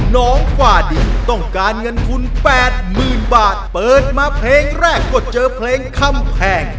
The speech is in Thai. กว่าดินต้องการเงินทุนแปดหมื่นบาทเปิดมาเพลงแรกก็เจอเพลงคำแพง